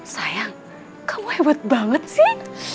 sayang kamu hebat banget sih